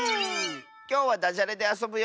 きょうはだじゃれであそぶよ！